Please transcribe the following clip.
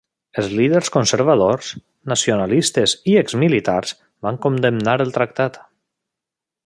Els líders conservadors, nacionalistes i ex-militars van condemnar el tractat.